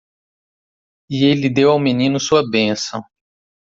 E ele deu ao menino sua bênção.